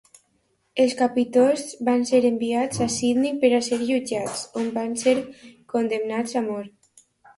Els capitosts van ser enviats a Sydney per ser jutjats, on van ser condemnats a mort.